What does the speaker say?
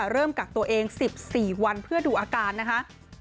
เริ่มกักตัวเอง๑๔วันเพื่อดูอาการนะคะ